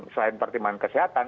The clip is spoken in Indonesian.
selain pertimbangan kesehatan